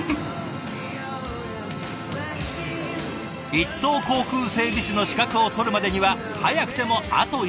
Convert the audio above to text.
一等航空整備士の資格を取るまでには早くてもあと１年。